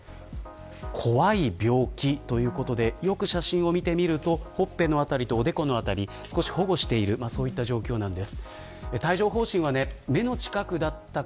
怖い病気ということでよく写真を見てみるとほっぺの辺り、おでこの辺り少し保護しているような状況なんです。